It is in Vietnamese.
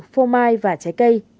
phô mai và trái cây